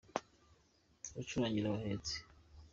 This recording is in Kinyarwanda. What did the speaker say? Gucurangira abahetsi.